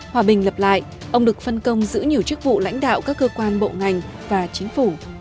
hòa bình lập lại ông được phân công giữ nhiều chức vụ lãnh đạo các cơ quan bộ ngành và chính phủ